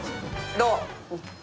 どう？